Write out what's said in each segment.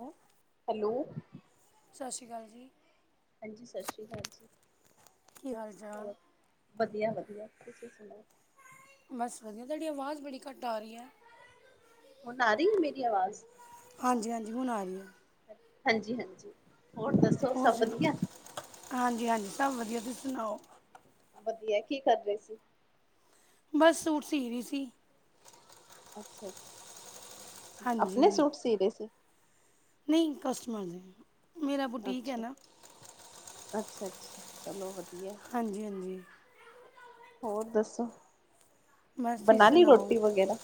ਹੈ, ਹੈਲੋ, ਸਤਿ ਸ਼੍ਰੀ ਅਕਾਲ ਜੀ, ਹਾਂਜੀ, ਸਤਿ ਸ਼੍ਰੀ ਅਕਾਲ ਜੀ, ਕੀ ਹਾਲ ਚਾਲ ਹੋਰ ਵਧੀਆ-ਵਧੀਆ, ਤੁਸੀਂ ਸੁਣਾਓ? ਬਸ ਵਧੀਆ, ਤੁਹਾਡੀ ਆਵਾਜ਼ ਬੜੀ ਘੱਟ ਆ ਰਹੀ ਹੈ। ਹੁਣ ਆ ਰਹੀ ਹੈ, ਮੇਰੀ ਆਵਾਜ਼ ਹਾਂਜੀ-ਹਾਂਜੀ, ਹੁਣ ਆ ਰਹੀ ਹੈ। ਹਾਂਜੀ-ਹਾਂਜੀ, ਹੋਰ ਦੱਸੋ? ਹੋਰ ਸਭ ਸੁੋ, ਵਧੀਆ ਹਾਂਜੀ-ਹਾਂਜੀ ਸਭ ਵਧੀਆ, ਤੁਸੀਂ ਸੁਣਾਓ? ਵਧੀਆ, ਕੀ ਕਰ ਰਹੇ ਸੀ? ਬਸ ਸੂਟ ਸੀ ਰਹੀ ਸੀ। ਅੱਛਾ ਅੱਛਾ, ਆਪਣੇ ਹਾਂਜੀ ਸੂਟ ਸੀ ਰਹੇ ਸੀ। ਨਹੀਂ ਕਸਟਮਰ ਦੇ, ਮੇਰਾ ਬੁਟੀਕ ਹੈ ਨਾ ਅੱਛਾ-ਅੱਛਾ, ਚਲੋ ਵਧੀਆ, ਹਾਂਜੀ-ਹਾਂਜੀ, ਹੋਰ ਦੱਸੋ, ਬਣਾ ਲਈ ਰੋਟੀ ਵਗੈਰਾ।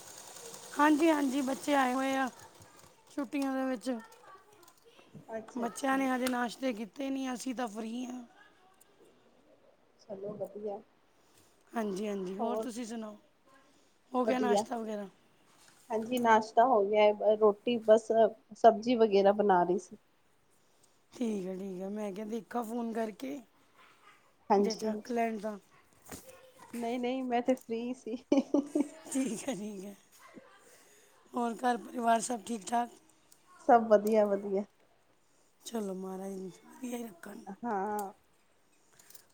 ਹਾਂਜੀ-ਹਾਂਜੀ, ਬੱਚੇ ਆਏ ਹੋਏ ਆ ਛੁੱਟੀਆਂ ਦੇ ਵਿੱਚ ਅੱਛਾ ਬੱਚਿਆਂ ਅੱਛਾ ਨੇ ਹਜੇ ਨਾਸ਼ਤੇ ਕੀਤੇ ਨਹੀਂ, ਅਸੀਂ ਤਾਂ ਫ੍ਰਰੀ ਹਾਂ। ਚਲੋ ਵਧੀਆ ਹਾਂਜੀ-ਹਾਂਜੀ, ਹੋਰ ਤੁਸੀਂ ਸੁਨਾਓ? ਹੋ ਗਿਆ ਵਧੀਆ ਨਾਸ਼ਤਾ ਵਗੈਰਾ ਹਾਂਜੀ, ਨਾਸ਼ਤਾ ਹੋ ਗਿਆ ਰੋਟੀ ਬਸ ਸਬਜ਼ੀ ਵਗੈਰਾ ਬਣਾ ਰਹੀ ਸੀ। ਠੀਕ ਹੈ, ਠੀਕ ਹੈ। ਮੈਂ ਕਿਹਾ ਦੇਖਾ ਫੋਨ ਕਰਕੇ ਜੇ ਚੱਕ ਲੈਣ ਤਾਂ ਨਹੀਂ-ਨਹੀਂ ਮੈਂ ਤੇ ਫਰੀ ਸੀ। ਠੀਕ ਹੈ, ਠੀਕ ਹੈ। ਹੋਰ ਘਰ ਪਰਿਵਾਰ ਸਭ ਠੀਕ ਠਾਕ? ਸਭ ਵਧੀਆ-ਵਧੀਆ ਚਲੋ ਮਾਰਾਜ਼ ਇਨੂੰ ਵਦੀਆਂ ਰੱਖਨ। ਹਾਂ।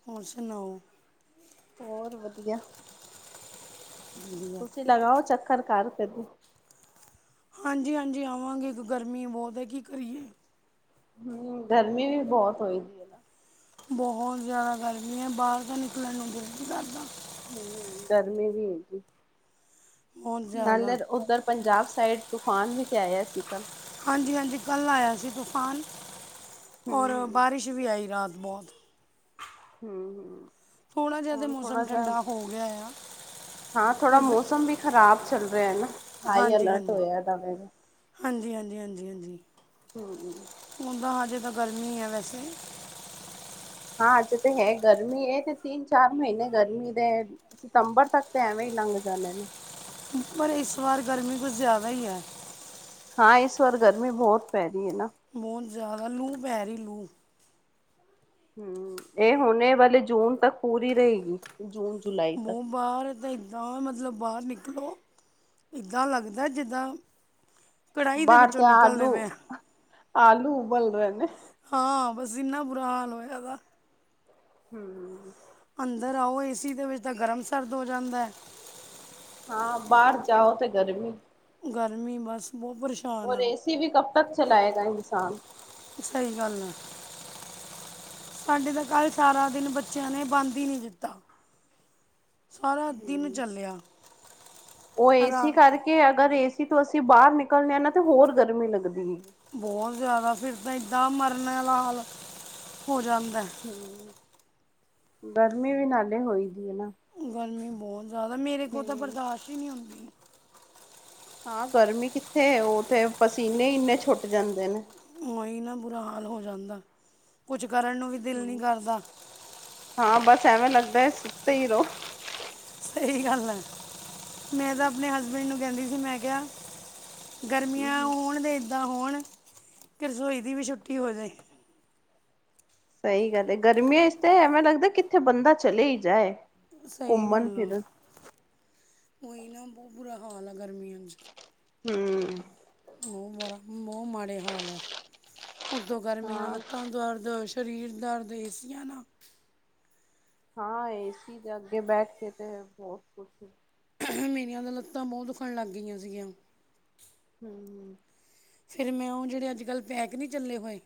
ਹੋਰ ਸੁਣਾਓ ਹੋਰ ਵਦੀਆਂ ਵਧੀਆ ਤੁਸੀਂ ਲਗਾਓ ਚੱਕਰ ਘਰ ਕਦੀ ਹਾਂਜੀ-ਹਾਂਜੀ ਆਵਾਂਗੇ, ਇੱਕ ਗਰਮੀ ਬਹੁਤ ਹੈ ਕੀ ਕਰੀਏ। ਹੂੰ, ਗਰਮੀ ਵੀ ਬਹੁਤ ਹੋਈ। ਹੈ ਨਾ ਬਹੁਤ ਜ਼ਿਆਦਾ ਗਰਮੀ ਹੈ, ਬਾਹਰ ਤਾਂ ਨਿਕਲਣ ਨੂੰ ਜੀ ਨਹੀ ਕਰਦਾ। ਹੂੰ, ਗਰਮੀ ਵੀ ਹੈਗੀ, ਬਹੁਤ ਜ਼ਿਆਦਾ ਨਾਲੇ ਉੱਧਰ ਪੰਜਾਬ ਸਾਈਡ ਤੂਫਾਨ ਵੀ ਤੇ ਆਇਆ ਸੀਗਾ। ਹਾਂਜੀ-ਹਾਂਜੀ, ਕੱਲ੍ਹ ਆਇਆ ਸੀ ਤੂਫਾਨ ਔਰ ਹੂੰ ਬਾਰਿਸ਼ ਵੀ ਆਈ ਰਾਤ ਬਹੁਤ ਹੁੰ ਥੋੜਾ ਜਿਹਾ ਤੇ ਹੁਨ ਮੌਸਮ ਥੋੜਾ ਜਿਹਾ, ਠੰਡਾ ਹੋ ਗਿਆ ਆ ਹਾਂ ਥੋੜਾ ਪਰ ਫਿਰ ਮੌਸਮ ਵੀ ਖ਼ਰਾਬ ਚੱਲ ਰਿਹਾ ਨਾ ਹਾਈ ਹਾਂਜੀ ਅਲਰਟ ਹਾਂਜੀ ਹੋਇਆ ਦਾਵੇ, ਹਾਂਜੀ ਹਾਂਜੀ ਹੂੰ ਉ ਤਾਂ ਹਜੇ ਤਾਂ ਗਰਮੀ ਹੈ ਵੈਸੇ ਹਾਂ ਅੱਜ ਤੇ ਹੈ ਗਰਮੀ ਹੈ ਤੇ ਤੀਨ ਚਾਰ ਮਹੀਨੇ ਗਰਮੀ ਦੇ ਸਿਤੰਬਰ ਤੱਕ ਤੇ ਐਵੇਂ ਈ ਲੰਘ ਜਾਂਣੇ ਨੇ। ਪਰ ਇਸ ਵਾਰ ਗਰਮੀ ਕੁਛ ਜ਼ਿਆਦਾ ਈ ਐ। ਹਾਂ ਇਸ ਵਾਰ ਗਰਮੀ ਬਹੁਤ ਪੈ ਰਹੀ ਏ ਨਾ। ਬੋਤ ਜਾਦਾ ਲੂ ਪੈ ਰੀ ਲੂ ਹੂੰ ਏ ਹੁਣੇ ਵਾਲੇ ਜੂਨ ਤੱਕ ਪੂਰੀ ਰਏਗੀ, ਜੂਨ-ਜੁਲਾਈ ਤੱਕ ਬਾਰ ਤਾਂ ਇੱਦਾਂ ਮਤਲਬ ਬਾਰ ਨਿਕਲੋ ਇੱਦਾਂ ਲੱਗਦਾ ਜਿੱਦਾਂ ਕੜਾਈ ਦੇ ਬਾਹਰ ਵਿੱਚੋਂ ਤੇ ਨਿਕਲਦੇ ਆਲੂ, ਪਏ ਹਾਂ। ਆਲੂ ਉਬਲ ਰਹੇ ਨੇ। ਹਾਂ, ਬਸ ਇੰਨਾ ਬੁਰਾ ਹਾਲ ਹੋਇਆਦਾ। ਹੂੰ ਅੰਦਰ ਆਓ ਏ ਸੀ ਦੇ ਵਿੱਚ ਤਾਂ ਗਰਮ ਸਰਦ ਹੋ ਜਾਂਦਾ ਐਂ। ਹਾਂ ਬਾਰ ਜਾਓ ਤੇ ਗਰਮੀ ਗਰਮੀ ਬਸ ਬੋ ਪਰੇਸ਼ਾ ਔਰ ਏਸੀ ਵੀ ਕਬ ਤੱਕ ਚਲਾਏਗਾ ਇਨਸਾਨ ਸਹੀ ਗੱਲ ਏ। ਸਾਡੇ ਤਾਂ ਕੱਲ ਸਾਰਾ ਦਿਨ ਬੱਚੇਆਂ ਨੇ ਬੰਦ ਈ ਨੀ ਦਿੱਤਾ ਸਾਰਾ ਦਿਨ ਚੱਲਿਆ ਉ ਰਾ ਏਸੀ ਕਰਕੇ ਅਗਰ ਏਸੀ ਤੋਂ ਅਸੀਂ ਬਾਰ ਨਿਕਲਦੇ ਹਾਂ ਨਾ ਤੇ ਹੋਰ ਗਰਮੀ ਲੱਗਦੀ ਏ। ਬਹੁਤ ਜ਼ਿਆਦਾ ਫਿਰ ਤਾਂ ਏਦਾਂ ਮਰਨੇ ਆਲਾ ਹਾਲ ਹੋ ਜਾਂਦਾ। ਹੂੰ ਗਰਮੀ ਵੀ ਨਾਲੇ ਹੋਈ ਦੀ ਏ ਨਾ ਗਰਮੀ ਬੋਤ ਜਾਦਾ ਮੇਰੇ ਕੋਲ ਤ ਹਮ ਬਰਦਾਸ਼ ਈ ਨੀ ਹੁੰਦੀ। ਹਾਂ ਗਰਮੀ ਕਿੱਥੇ ਉਤੇ ਪਸੀਨੇ ਇੰਨੇ ਛੁੱਟ ਜਾਂਦੇ ਨੇ। ਉਹੀ ਨਾ ਬੁਰਾ ਹਾਲ ਹੋ ਜਾਂਦਾ, ਕੁਛ ਕਰਨ ਨੂੰ ਵੀ ਦਿਲ ਨੀ ਹੂੰ, ਕਰਦਾ ਹਾਂ ਬਸ ਐਵੇਂ ਲੱਗਦਾ ਹੈ ਸੁੱਤੇ ਈ ਰੋ ਸਹੀ ਗੱਲ ਐ, ਮੈਂ ਤਾ ਆਪਣੇ ਹਸਬੈਂਡ ਨੂੰ ਕੇਂਦੀ ਸੀ ਮੈਂ ਕਿਆ ਗਰਮੀਆਂ ਹਮ ਹੋਣ ਤੇ ਏਦਾਂ ਹੋਣ ਕਿ ਰਸੋਈ ਦੀ ਵੀ ਛੁੱਟੀ ਹੋ ਜਾਏ। ਸਹੀ ਗੱਲ ਹੈ ਗਰਮੀਆਂ ਵਿਚ ਤੇ ਐਵੇਂ ਲੱਗਦਾ। ਕਿੱਥੇ ਬੰਦਾ ਚਲੇ ਹੀ ਜਾਏ। ਸਹੀ ਘੁੰਮਣ ਗੱਲ ਆ। ਫਿਰਨ ਉਹੀ ਨਾ ਬਹੁਤ ਬੁਰਾ ਹਾਲ ਆ ਗਰਮੀਆਂ ਚ ਹਮ। ਉਹ ਬੜਾ ਬਹੁਤ ਮਾੜੇ ਹਾਲ ਹੈ। ਉੁਤੋਂ ਗਰਮੀ ਨਾਲ ਹਾਂ ਲੱਤਾਂ ਦਾਰਦ ਸਰੀਰ ਦਰਦ ਦੇ ਏਸੀਆਂ ਨਾਲ। ਹਾਂ ਏ ਸੀ ਜਾ ਅਗੇ ਬੈਠ ਕੇ ਤੇ ਹੈ ਬਹੁਤ ਕੁਛ ਮੇਰੀਆਂ ਤਾਂ ਲੱਤਾਂ ਬਹੁਤ ਦੁਖਣ ਲੱਗ ਗਈਆਂ ਸੀਗੀਆਂ। ਹੂੰ-ਹੂੰ ਫਿਰ ਮੈਂ ਉਹ ਜਿਹੜੇ ਅੱਜ ਕੱਲ੍ਹ ਪੈਕ ਨਹੀਂ ਚੱਲੇ ਹੋਏ।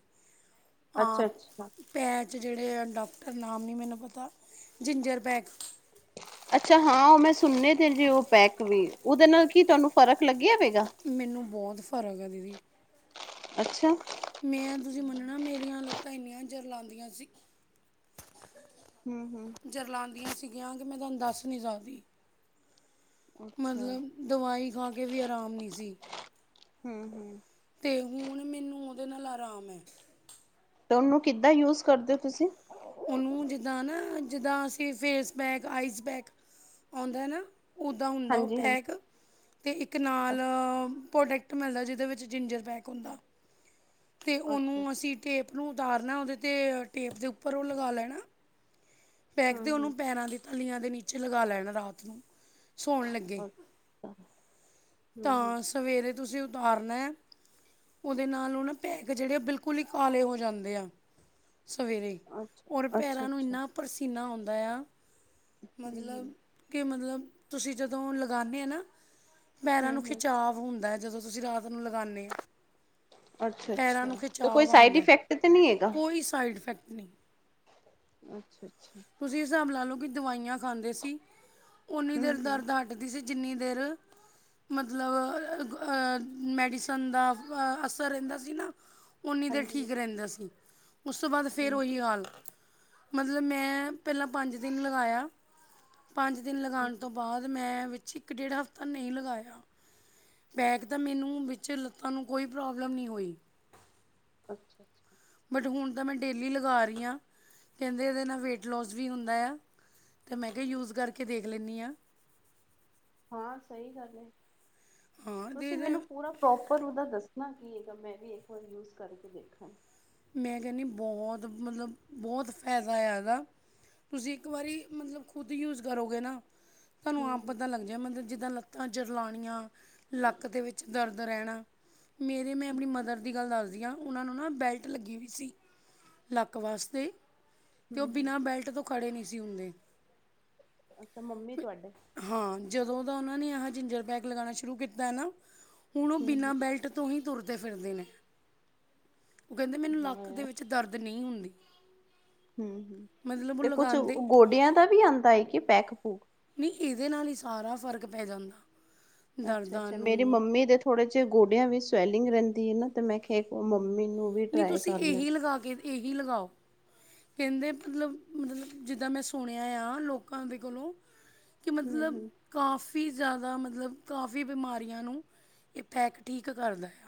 ਅੱਛਾ ਆਪ ਅੱਛਾ ਪੈਚ ਜਿਹੜੇ ਆ ਡਾਕਟਰ ਨਾਮ ਨਹੀਂ ਮੈਨੂੰ ਪਤਾ। Ginger pack. ਅੱਛਾ ਹਾਂ, ਉਹ ਮੈਂ ਸੁਣੇ ਤੇ ਜੇ ਉਹ ਪੈਕ ਵੀ। ਉਹਦੇ ਨਾਲ ਕੀ ਤੁਹਾਨੂੰ ਫਰਕ ਲੱਗਿਆ ਵੇ। ਮੈਨੂੰ ਬਹੁਤ ਫ਼ਰਕ ਆ। ਦੀਦੀ। ਅੱਛਾ। ਮੈਂ ਤੁਸੀਂ ਮੰਨਣਾ ਮੇਰੀਆਂ ਲੱਤਾਂ ਇੰਨੀਆਂ ਜਰਲਾਂਦੀਆਂ ਸੀ ਹੂੰ-ਹੂੰ ਜਰਲਾਂਦੀਆਂ ਸੀਗੀਆਂ ਕਿ ਮੈਂ ਤਾਨੂੰ ਦੱਸ ਨੀ ਸਕਦੀ। ਅੱਛਾ ਮਤਲਬ ਦਵਾਈ ਖਾ ਕੇ ਵੀ ਆਰਾਮ ਨੀ ਸੀ। ਹਮ ਹਮ ਤੇ ਹੁਣ ਮੈਨੂੰ ਉਹਦੇ ਨਾਲ ਆਰਾਮ ਹੈ। ਤੇ ਉਹਨੂੰ ਕਿੱਦਾਂ ਯੂਜ ਕਰਦੇ ਹੋ ਤੁਸੀਂ? ਉਹਨੂੰ ਜਿੱਦਾਂ ਨਾ ਜਿੱਦਾਂ ਅਸੀਂ ਫੇਸ ਪੈਕ, ਆਈਜ਼ ਪੈਕ ਆਉਂਦਾ ਨਾ। ਉਹਦਾ ਹੁੰਦਾ ਉਹ ਹਾਂਜੀ ਪੈਕ। ਹਾਂਜੀ ਤੇ ਇੱਕ ਨਾਲ ਪ੍ਰੋਡਕਟ ਮਿਲਦਾ ਜਿਹਦੇ ਵਿੱਚ ਜਿੰਜਰ ਪੈਕ ਹੁੰਦਾ। ਤੇ ਅੱਛਾ ਉਹਨੂੰ ਅਸੀਂ ਟੇਪ ਨੂੰ ਉਤਾਰਨਾ ਉਹਦੇ 'ਤੇ ਟੇਪ ਦੇ ਉੱਪਰ ਉਹ ਲਗਾ ਲੈਣਾ। ਪੈਕ ਦੇ ਹਮ ਉਹਨੂੰ ਹਮ ਪੈਰਾਂ ਦੇ ਥਲੀਆਂ ਦੇ ਨੀਚੇ ਲਗਾ ਲੈਣ ਰਾਤ ਨੂੰ। ਸੌਣ ਲੱਗੇ, ਹਮ ਹਮ ਤਾਂ ਸਵੇਰੇ ਤੁਸੀਂ ਉਤਾਰਨਾ, ਉਹਦੇ ਨਾਲ ਉਹ ਨਾ ਪੈਕ ਜਿਹੜੇ ਉਹ ਬਿਲਕੁਲ ਹੀ ਕਾਲੇ ਹੋ ਜਾਂਦੇ ਆ, ਸਵੇਰੇ ਅੱਛਾ ਔਰ ਅੱਛਾ ਪੈਰਾਂ ਨੂੰ ਅੱਛਾ ਇੰਨਾ ਪਰਸੀਨਾ ਆਉਂਦਾ ਆ, ਹਮ ਮਤਲਬ ਹਮ ਕਿ ਮਤਲਬ ਤੁਸੀਂ ਜਦੋਂ ਲਗਾਉਂਦੇ ਆ ਨਾ, ਪੈਰਾਂ ਹਮ ਨੂੰ ਹਮ ਖਿਚਾਵ ਹੁੰਦਾ ਜਦੋਂ ਤੁਸੀਂ ਰਾਤ ਨੂੰ ਲਗਾਨੇ ਆ। ਪੈਰਾਂ ਅੱਛਾ-ਅੱਛਾ ਨੂੰ ਤੇ ਕੋਈ ਖਿਚਾਵ ਸਾਈਡ ਆਉਂਦਾ ਇਫੈਕਟ ਤਾਂ ਨਹੀਂ ਹੈਗਾ? ਕੋਈ ਸਾਈਡ ਇਫੈਕਟ ਨਹੀਂ। ਅੱਛਾ-ਅੱਛਾ। ਤੁਸੀਂ ਹਿਸਾਬ ਲਾ ਲਓ ਕਿ ਦਵਾਈਆਂ ਖਾਂਦੇ ਸੀ, ਓਨੀ ਹਮ ਦੇਰ ਹਮ ਦਰਦ ਹ ਟਦੀ ਸੀ ਜਿੰਨੀ ਦੇਰ ਮਤਲਬ ਮੈਡੀਸਨ ਦਾ ਅਸਰ ਰਹਿੰਦਾ ਸੀ ਨਾ। ਉਨੀ ਦੇਰ ਹਾਂਜੀ ਠੀਕ ਰਹਿੰਦਾ ਸੀ। ਉਸ ਤੋਂ ਬਾਅਦ ਫੇਰ ਹਮ ਉਹੀ ਹਾਲ, ਮਤਲਬ ਮੈਂ ਪਹਿਲਾਂ ਪੰਜ ਦਿਨ ਲਗਾਇਆ, ਪੰਜ ਦਿਨ ਲਗਾਉਣ ਤੋਂ ਬਾਅਦ ਮੈਂ ਵਿੱਚ ਇੱਕ ਡੇਢ ਹਫ਼ਤਾ ਨਹੀਂ ਲਗਾਇਆ। ਪੈਕ ਤਾਂ ਮੈਨੂੰ ਵਿੱਚ ਲੱਤਾਂ ਨੂੰ ਕੋਈ ਪ੍ਰੋਬਲਮ ਨਹੀਂ ਹੋਈ। ਅੱਛਾ-ਅੱਛਾ। ਬਟ ਹੁਣ ਤਾਂ ਮੈਂ ਡੇਲੀ ਲਗਾ ਰਹੀ ਹਾਂ, ਕਹਿੰਦੇ ਇਹਦੇ ਨਾਲ ਵੇਟ ਲੋੌਸ ਵੀ ਹੁੰਦਾ ਆ। ਅਤੇ ਮੈਂ ਕਿਹਾ ਯੂਜ਼ ਕਰਕੇ ਦੇਖ ਲੈਂਦੀ ਹਾਂ। ਹਾਂ ਸਹੀ ਗੱਲ ਹੈ। ਹਾਂ ਅਤੇ ਤੁਸੀਂ ਇਹਦਾ ਮੈਨੂੰ ਪੂਰਾ ਪ੍ਰੋਪਰ ਉਹਦਾ ਦੱਸਣਾ ਕੀ ਹੈਗਾ ਮੈਂ ਵੀ ਇੱਕ ਵਾਰ ਯੂਜ ਕਰਕੇ ਦੇਖਾਂ। ਮੈਂ ਕਹਿੰਦੀ ਬਹੁਤ ਮਤਲਬ, ਬਹੁਤ ਫਾਇਦਾ ਹੈਗਾ। ਤੁਸੀਂ ਇੱਕ ਵਾਰੀ ਮਤਲਬ ਖੁਦ ਯੂਜ ਕਰੋਗੇ ਨਾ ਤੁਹਾਨੂੰ ਹਮ ਆਪ ਹਮ ਪਤਾ ਲੱਗ ਜਾਏ ਮਤਲਬ ਜਿੱਦਾਂ ਲੱਤਾਂ ਜਰਲਾਉਣੀਆਂ। ਲੱਕ ਦੇ ਵਿੱਚ ਦਰਦ ਰਹਿਣਾ, ਮੇਰੇ ਮੈਂ ਆਪਣੀ ਮਦਰ ਦੀ ਗੱਲ ਦੱਸਦੀ ਹਾਂ। ਉਹਨਾਂ ਨੂੰ ਨਾ ਬੈਲਟ ਲੱਗੀ ਹੋਈ ਸੀ, ਲੱਕ ਵਾਸਤੇ ਤੇ ਹਮ ਉਹ ਹਮ ਬਿਨਾਂ ਬੈਲਟ ਤੋਂ ਖੜੇ ਨਹੀਂ ਸੀ ਹੁੰਦੇ। ਅੱਛਾ ਮੰਮੀ ਤੁਹਾਡੇ ਹਾਂ ਜਦੋਂ ਦਾ ਉਹਨਾਂ ਨੇ ਆਹ ਜਿੰਜਰ ਪੈਕ ਲਗਾਉਣਾ ਸ਼ੁਰੂ ਕੀਤਾ ਹੈ ਨਾ, ਹੁਣ ਉਹ ਹਮ ਬਿਨਾਂ ਬੈਲਟ ਤੋਂ ਹੀ ਤੁਰਦੇ-ਫਿਰਦੇ ਨੇ। ਉਹ ਕਹਿੰਦੇ ਮੈਨੂੰ ਵਾਹ ਲੱਕ ਦੇ ਯਾਰ ਵਿੱਚ ਦਰਦ ਨਹੀਂ ਹੁੰਦੀ ਹਮ ਹਮ ਮਤਲਬ ਉਹ ਤੇ ਕੁਛ ਲਗਾਉਂਦੇ ਗੋਡਿਆਂ ਦਾ ਵੀ ਆਉਂਦਾ ਹੈ ਕਿ ਪੈਕ ਪੂਕ ਨਹੀਂ ਇਹਦੇ ਨਾਲ ਹੀ ਸਾਰਾ ਫ਼ਰਕ ਪੈ ਜਾਂਦਾ ਅੱਛਾ ਦਰਦਾਂ ਅੱਛਾ ਨੂੰ ਮੇਰੀ ਮੰਮੀ ਦੇ ਥੋੜ੍ਹੇ ਚਿਰ ਗੋਡਿਆਂ ਵੀ ਸਵੈਲਿੰਗ ਰਹਿੰਦੀ ਹੈ ਨਾ ਤੇ ਮੈਂ ਕਿਹਾ ਮੰਮੀ ਨੂੰ ਵੀ ਨਹੀਂ ਟਰਾਈ ਤੁਸੀਂ ਕਰ ਲੈ ਇਹੀ ਲਗਾ ਕੇ ਇਹੀ ਲਗਾਓ। ਕਹਿੰਦੇ ਮਤਲਬ ਮਤਲਬ ਜਿੱਦਾਂ ਮੈਂ ਸੁਣਿਆ ਆ ਲੋਕਾਂ ਦੇ ਕੋਲੋਂ ਕਿ ਹਮ ਮਤਲਬ ਹਮ ਕਾਫੀ ਜ਼ਿਆਦਾ ਮਤਲਬ ਕਾਫੀ ਬਿਮਾਰੀਆਂ ਨੂੰ, ਇਹ ਪੈਕ ਠੀਕ ਕਰਦਾ ਆ।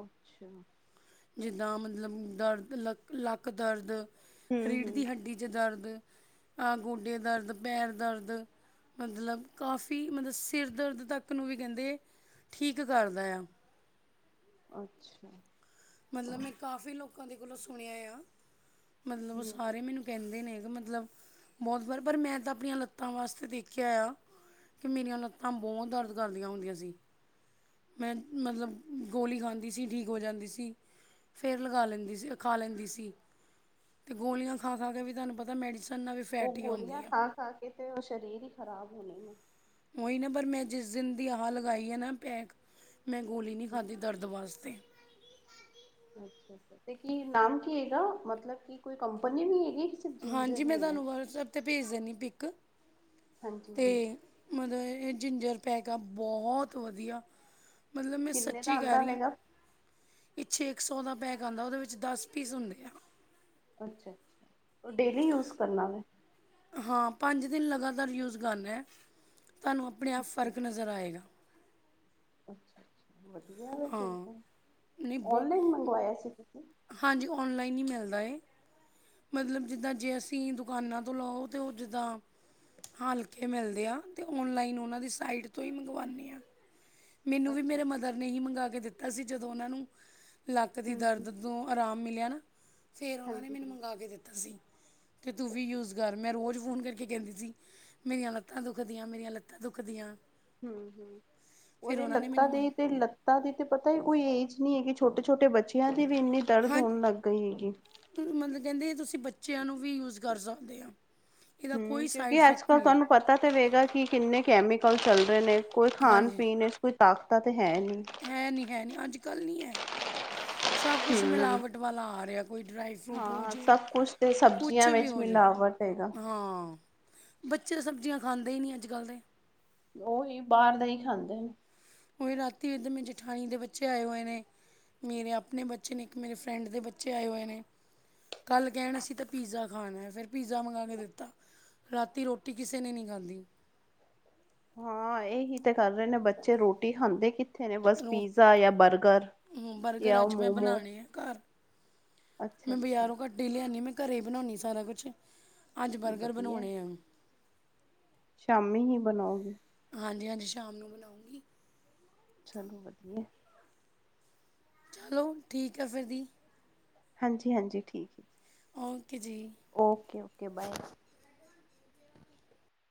ਅੱਛਾ। ਜਿੱਦਾਂ ਮਤਲਬ ਦਰਦ ਲੱਕ ਲੱਕ ਦਰਦ ਹਮ ਰੀੜ੍ਹ ਹਮ ਦੀ ਹੱਡੀ ਚ ਦਰਦ, ਆਹ ਗੋਡੇ ਦਰਦ, ਪੈਰ ਦਰਦ ਮਤਲਬ ਕਾਫ਼ੀ ਮਤਲਬ ਸਿਰ ਦਰਦ ਤੱਕ ਨੂੰ ਵੀ ਕਹਿੰਦੇ ਠੀਕ ਕਰਦਾ ਆ। ਅੱਛਾ ਮਤਲਬ ਮੈਂ ਕਾਫੀ ਲੋਕਾਂ ਦੇ ਕੋਲੋਂ ਸੁਣਿਆ ਆ ਮਤਲਬ ਉਹ ਹੂੰ। ਸਾਰੇ ਮੈਨੂੰ ਪਹਿੰਦੇ ਨੇਗਾ ਮਤਲਬ ਬਹੁਤ ਵਾਰ ਪਰ ਮੈਂ ਤਾਂ ਆਪਣੀਆਂ ਲੱਤਾਂ ਵਾਸਤੇ ਦੇਖਿਆ ਆ ਕਿ ਮੇਰੀਆਂ ਲੱਤਾਂ ਬਹੁਤ ਦਰਦ ਕਰਦੀਆਂ ਹੁੰਦੀਆਂ ਸੀ ਮੈਂ ਮਤਲਬ ਗੋਲੀ ਖਾਂਦੀ ਸੀ ਠੀਕ ਹੋ ਜਾਂਦੀ ਸੀ। ਫੇਰ ਲਗਾ ਲੈਂਦੀ ਸੀ ਖਾ ਲੈਂਦੀ ਸੀ ਤੇ ਗੋਲੀਆਂ ਖਾ ਖਾ ਕੇ ਵੀ ਤੁਹਾਨੂੰ ਪਤਾ ਮੈਡੀ ਉਹ ਗੋਲੀਆਂ ਖਾ ਖਾ ਕੇ ਤੇ ਉਹ ਸਰੀਰ ਹੀ ਖ਼ਰਾਬ ਹੋਣੇ ਨੇ ਉਹੀ ਨਾ ਪਰ ਮੈਂ ਜਿਸ ਦਿਨ ਦੀ ਆਹ ਲਗਾਈ ਹੈ ਨਾ ਪੈਕ ਮੈਂ ਗੋਲੀ ਨਹੀਂ ਖਾਧੀ ਦਰਦ ਵਾਸਤੇ ਅੱਛਾ ਅੱਛਾ ਤੇ ਕੀ ਨਾਮ ਕੀ ਹੈਗਾ ਮਤਲਬ ਕੀ ਕੋਈ ਕੰਪਨੀ ਨ ਹੈਗੀ ਸਿਰਫ ਹਾਂਜੀ ਜਿੰਜਰ ਮੈਂ ਹੀ ਹੈਗਾ? ਤੁਹਾਨੂੰ ਵਟਸਐਪ 'ਤੇ ਭੇਜ ਦਿੰਦੀ ਪਿੱਕ ਹਾਂਜੀ-ਹਾਂਜੀ। ਅਤੇ ਮਤਲਬ ਇਹ ਜਿੰਜਰ ਪੈਕ ਆ ਬਹੁਤ ਵਧੀਆ ਮਤਲਬ ਮੈਂ ਕਿੰਨੇ ਦਾ ਸੱਚੀ ਗਾ ਆਂਦਾ ਰਹੀ ਹਾਂ ਪਏਗਾ? ਪਿੱਛੇ ਇੱਕ ਸੌ ਦਾ ਪੈਕ ਆਉਂਦਾ ਉਹਦੇ ਵਿੱਚ ਦਸ ਪੀਸ ਹੁੰਦੇ ਆ। ਅੱਛਾ ਅੱਛਾ ਉਹ ਡੇਲੀ ਯੂਜ ਕਰਨਾ ਮੈਂ, ਹਾਂ ਪੰਜ ਦਿਨ ਲਗਾਤਾਰ ਯੂਜ਼ ਕਰਨਾ ਤੁਹਾਨੂੰ ਆਪਣੇ ਆਪ ਫ਼ਰਕ ਨਜ਼ਰ ਆਏਗਾ ਅ ਅੱ ਵਧੀਆ ਵ ਹਾਂ ਫਿਰ ਨਹੀਂ ਬਹੁ ਓਨਲਾਈਨ ਮੰਗਵਾਇਆ ਸੀ ਤੁਸੀਂ ਹਾਂਜੀ ਔਨਲਾਈਨ ਹੀ ਮਿਲਦਾ ਮਤਲਬ ਜਿੱਦਾਂ ਜੇ ਅਸੀਂ ਦੁਕਾਨਾਂ ਤੋਂ ਲਓ ਤੇ ਉਹ ਜਿੱਦਾਂ ਹਲਕੇ ਮਿਲਦੇ ਆ ਤੇ ਓਨਲਾਈਨ ਉਹਨਾਂ ਦੀ ਸਾਈਟ ਤੋਂ ਹੀ ਮੰਗਵਾਉਦੇ ਹ ਮੈਨੂੰ ਵੀ ਅੱਛਾ। ਮੇਰੇ ਮਦਰ ਨੇ ਹੀ ਮੰਗਾਵਾ ਕੇ ਦਿੱਤਾ ਸੀ ਜਦੋਂ ਉਹਨਾਂ ਨੂੰ ਲੱਕ ਦੀ ਹੂੰ-ਹੂੰ, ਦਰਦ ਤੋਂ ਆਰਾਮ ਮਿਲਿਆ ਨਾ ਫੇਿਰ ਉਹਨਾਂ ਨੇ ਹਾਂਜੀ ਮੈਨੂੰ ਮੰਗਾ ਕੇ ਦਿੱਤਾ ਸੀ ਅਤੇ ਤੂੰ ਵੀ ਯੂਜ ਕਰ ਮੈਂ ਰੋਜ਼ ਫ਼ੋਨ ਕਰਕੇ ਕਹਿੰਦੀ ਸੀ ਮੇਰੀਆਂ ਲੱਤਾਂ ਦੁੱਖਦੀਆਂ ਮੇਰੀਆਂ ਲੱਤਾਂ ਦੁਖਦੀਆਂ ਹਮ ਹਮ ਫਿਰ ਰ ਉਹਨਾਂ ਨੇ ਲੱਤਾ ਮੈਨੂੰ ਦੇ ਮੰਗ- ਤੇ ਲ ਤਾ ਦੀ ਤੇ ਪਤਾ ਹੀ ਕੋਈ ਏਜ ਨਹੀਂੀ ਹੈਗੀ ਛੋਟੇ ਛੋਟੇ ਬੱਚਿਆਂ ਦੀ ਵੀ ਇੰਨੀ ਦਰਦ ਹਾਂ ਹੋਣ ਲੱਗ ਗਈ ਹੈਗੀ ਮਤਲਬ ਕਹਿੰਦੇ ਤੁਸੀਂ ਬੱਚਿਆਂ ਨੂੰ ਵੀ ਯੂਜ ਕਰ ਸਕਦੇ ਹੋ। ਹਮ ਕਿਉਂਕਿ ਅੱਜ ਕੱਲ੍ਹ ਤੁਹਾਨੂੰ, ਪਤਾ ਤਾਂ ਹੋਵੇਗਾ ਕਿ ਕਿੰਨੇ ਕੈਮੀਕਲ ਚੱਲ ਰਹੇ ਨੇ ਕੋਈ ਖਾਣ ਹਾਂਜੀ ਪੀਣ ਵਿੱਚ ਕੋਈ ਤਾਕਤਾਂ ਤਾਂ ਹੈ ਨਹੀਂ ਹੈ ਨੀ ਹੈ ਨੀ ਅੱਜ ਕੱਲ ਨਹੀਂੀ ਹੈ ਸਭ ਕੁਛ ਹੂੰ ਮਿਲਾਵਟ ਵਾਲਾ ਆ ਰਿਹਾ ਕੋਈ ਡਰਾਈਵ ਫਰੂਟ ਹਾਂ ਹੋਜੇ ਸਭ ਕੁਛ ਤੇ ਕੁਛ ਸਬਜ਼ੀਆਂ ਵੀ ਵਿੱਚ ਹੋਜੇ ਮਿਲਾਵਟ ਹੈਗਾ। ਹਾਂ ਬੱਚੇ ਤਾਂ ਸਬਜ਼ੀਆਂ ਖਾਂਦੇ ਹੀ ਨਹੀਂ ਅੱਜ ਕੱਲ੍ਹ ਦੇ ਉਹੀ ਬਾਹਰ ਦਾ ਹੀ ਖਾਂਦੇ ਨੇ ਉ ਰਾਤੀ ਇਧ ਮ ਜੇਠਾਣੀ ਦੇ ਬੱਚੇ ਆਏ ਹੋਏ ਨੇ ਮੇਰੇ ਆਪਣੇ ਬੱਚੇ ਨੇ ਇੱਕ ਮੇਰੇ ਫਰੈਂਡ ਦੇ ਬੱਚੇ ਆਏ ਹੋਏ ਨੇ ਕੱਲ ਕਹਿਣ ਅਸੀਂ ਤਾਂ ਪੀਜ਼ਾ ਖਾਣਾ ਫਿਰ ਪੀਜ਼ਾ ਮੰਗਵਾ ਕੇ ਦਿੱਤਾ ਰਾਤੀ ਰੋਟੀ ਕਿਸੇ ਨੇ ਨੀ ਖਾਂਦੀ। ਹਾਂ ਇਹੀ ਤੇ ਕਰ ਰਹੇ ਨੇ ਬੱਚੇ ਰੋਟੀ ਖਾਂਦੇ ਕਿਥੇ। ਥ ਨੇ ਬਸ ਰੋ ਪੀਜ਼ਾ ਜਾਂ ਬਰਗਰ ਜਾਂ ਬਰਗਰ ਉਹ ਅੱਜ ਮੈਂ ਮੋਮੋ ਬਣਾਉਣੇ ਆ ਘਰ, ਅੱਛਾ ਮੈ ਅੱਛਾ ਬਜ਼ਾਰੋਂ ਘਟ ਹੀ ਲਿਆਣੀ ਮੈ ਘਰੇ ਹੀ ਬਣਾਉਦੀ ਸਾਰਾ ਕੁਛ ਅੱਜ ਬਰਗਰ ਵਧੀਆ। ਬਣਾਉਣੇ ਆ। ਸ਼ਾਮੀ ਹੀ ਬਣਾਉਗੇ। ਹਾਂਜੀ-ਹਾਂਜੀ, ਸ਼ਾਮ ਨੂੰ ਬਣਾਉਂਗੀ। ਚਲੋ ਵਧੀਆ। ਚਲੋ ਠੀਕ ਆ ਫਿਰ ਦੀ ਹਾਂਜੀ ਹਾਂਜੀ ਠੀਕ ਹੈ ਓਕੇ ਜੀ ਓਕੇ-ਓਕੇ ਬਾਏ।